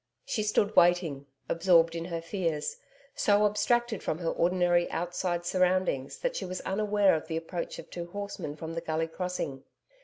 She stood waiting, absorbed in her fears, so abstracted from her ordinary outside surroundings that she was unaware of the approach of two horsemen from the Gully Crossing.